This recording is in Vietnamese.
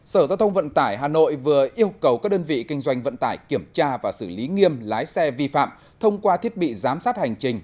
sở giao thông vận tải hà nội vừa yêu cầu các đơn vị kinh doanh vận tải kiểm tra và xử lý nghiêm lái xe vi phạm thông qua thiết bị giám sát hành trình